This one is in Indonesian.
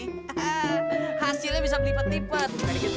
hah hasilnya bisa belipet lipet